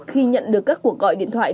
khi nhận được các cuộc gọi điện thoại